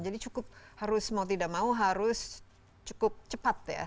jadi cukup harus mau tidak mau harus cukup cepat ya